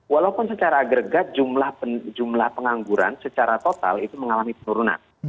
walaupun secara agregat jumlah pengangguran secara total itu mengalami penurunan